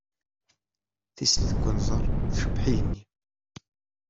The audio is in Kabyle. Tislit n unẓar tcebbeḥ igenni.